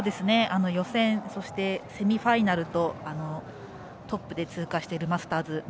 予選、セミファイナルとトップで通過しているマスターズ